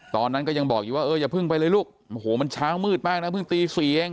ตอนนั้นก็ยังบอกอยู่ว่าเอออย่าเพิ่งไปเลยลูกโอ้โหมันเช้ามืดมากนะเพิ่งตีสี่เอง